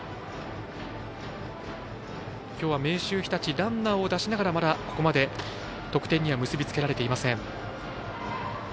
きょうは明秀日立ランナーを出しながらまだここまで得点には結び付けられていません。